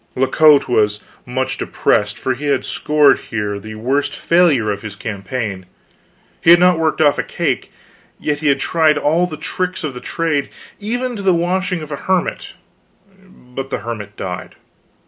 La Cote was much depressed, for he had scored here the worst failure of his campaign. He had not worked off a cake; yet he had tried all the tricks of the trade, even to the washing of a hermit; but the hermit died.